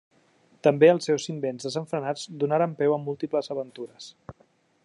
També els seus invents desenfrenats donaran peu a múltiples aventures.